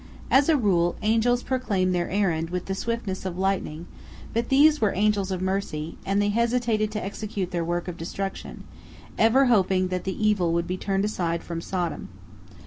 As a rule, angels proclaim their errand with the swiftness of lightning, but these were angels of mercy, and they hesitated to execute their work of destruction, ever hoping that the evil would be turned aside from Sodom.